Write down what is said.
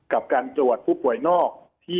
กับการตรวจผู้ป่วยนอกที่